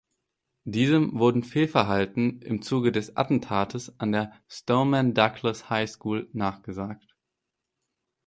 Diesem wurde Fehlverhalten im Zuge des Attentats an der Stoneman Douglas High School nachgesagt.